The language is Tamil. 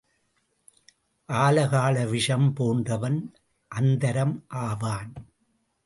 ஆலகால விஷம் போன்றவன் அந்தரம் ஆவான்.